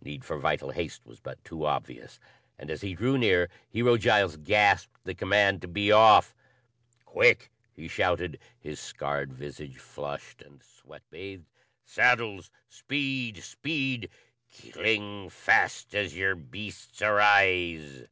Need for vital haste was but too obvious and, as he drew near, Hero Giles gasped the command to be off. "Quick," he shouted, his scarred visage flushed and sweat bathed. "Saddles! Speed! Speed! Cling fast as your beasts arise!"